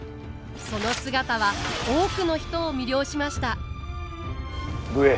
その姿は多くの人を魅了しました武衛。